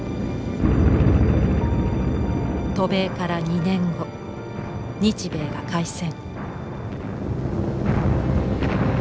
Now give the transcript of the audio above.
渡米から２年後日米が開戦。